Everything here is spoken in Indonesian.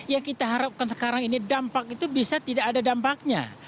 ya kita harapkan sekarang ini dampak itu bisa tidak ada dampaknya